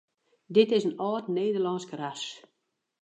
Dit is in âld Nederlânsk ras.